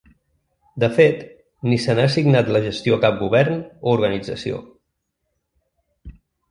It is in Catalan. De fet, ni se n’ha assignat la gestió a cap govern o organització.